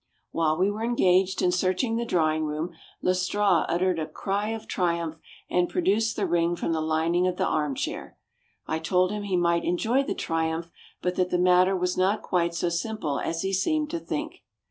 While we were engaged in searching the drawing room, Lestrade uttered a cry of triumph and produced the ring from the lining of the arm chair. I told him he might enjoy the triumph, but that the matter was not quite so simple as he seemed to think.